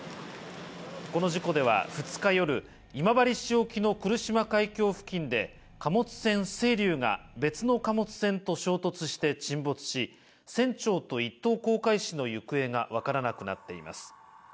この事故では２日夜、今治市沖の来島海峡付近で、貨物船「せいりゅう」が別の貨物船と衝突して沈没し、船長と一等航海士の行方がわからなくなっています。